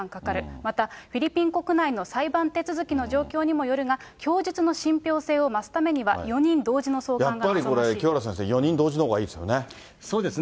また、フィリピン国内の裁判手続きの状況にもよるが、供述の信ぴょう性を増すためには、やっぱりこれ、清原先生、４人同時のほうがいいですよね。